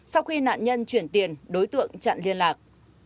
sau khi nạn nhân chuyển tiền đối tượng chặn liên lạc